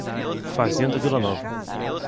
Fazenda Vilanova